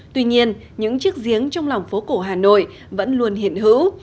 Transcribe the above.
tuy nhiên những chiếc giếng trong lòng phố cổ hà nội vẫn luôn hiện hữu